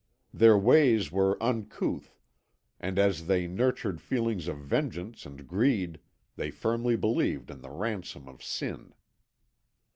Their ways were uncouth, and as they nurtured feelings of vengeance and greed, they firmly believed in the ransom of sin.